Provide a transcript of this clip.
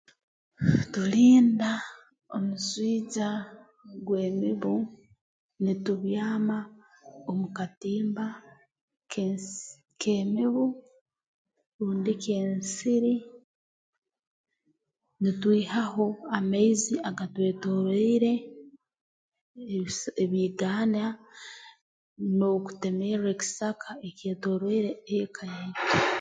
Tulinda omuswija gw'emibu nitubyama omu katimba k'ensi k'emibu rundi k'ensiri nitwihaho amaizi agatwetoroire ebis ebiigaana n'okutemerra ekisaka ekyetoroire eka yaitu